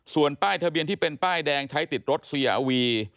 ส่วนป้ายทะเบียนที่เป็นป้ายแดงใช้ติดรถเสียอาวี